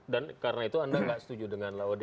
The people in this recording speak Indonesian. dan karena itu anda tidak setuju dengan laude